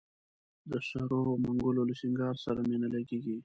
د سرو منګولو له سینګار سره مي نه لګیږي